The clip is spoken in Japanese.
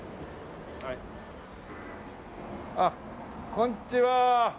あっこんちは。